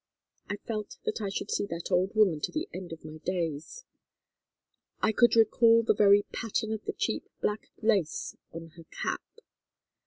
I felt that I should see that old woman to the end of my days. I could recall the very pattern of the cheap black lace of her cap.